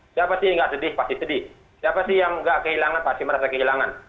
siapa sih yang nggak sedih pasti sedih siapa sih yang gak kehilangan pasti merasa kehilangan